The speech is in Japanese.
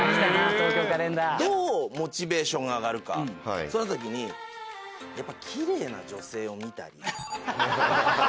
どうモチベーションが上がるかそうなった時にやっぱ奇麗な女性を見たり。